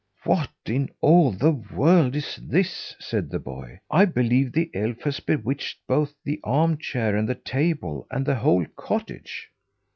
"What in all the world is this?" said the boy. "I believe the elf has bewitched both the armchair and the table and the whole cottage."